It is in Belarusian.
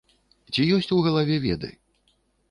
Ці ёсць у галаве веды?